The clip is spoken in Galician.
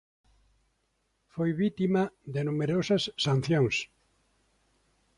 Foi vítima de numerosas sanciones.